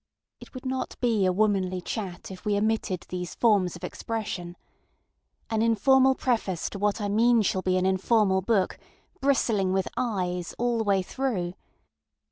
It would not be a womanly chat if we omitted these forms of expression. An informal preface to what I mean shall be an informal bookŌĆöbristling with ŌĆ£IŌĆÖsŌĆØ all the way through.